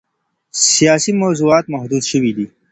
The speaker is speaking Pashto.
سیاسي موضوعات محدود شوي دي.